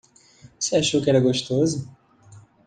Você achou que era gostoso?